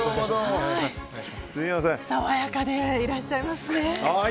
爽やかでいらっしゃいますね。